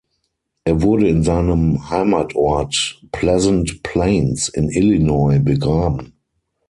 Er wurde in seinem Heimatort "Pleasant Plains" in Illinois begraben.